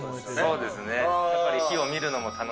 そうですね。